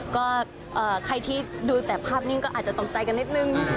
ก็ใครที่ดูแต่ภาพนิ่งก็อาจจะตกใจกันนิดนึง